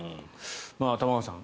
玉川さん